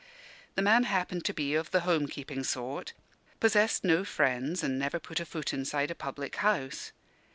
The man happened to be of the home keeping sort possessed no friends and never put foot inside a public house.